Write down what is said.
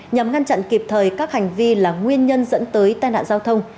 nhằm ngăn chặn kịp thời các hành vi là nguyên nhân dẫn tới tai nạn giao thông